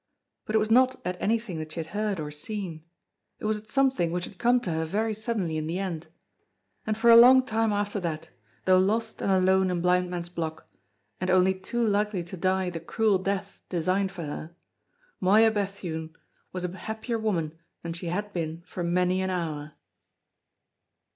But it was not at anything that she had heard or seen; it was at something which had come to her very suddenly in the end. And for a long time after that, though lost and alone in Blind Man's Block, and only too likely to die the cruel death designed for her, Moya Bethune was a happier woman than she had been for many an hour.